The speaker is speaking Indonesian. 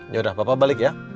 yaudah papa balik ya